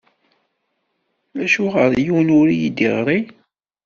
Acuɣer yiwen ur yi-d-iɣṛi?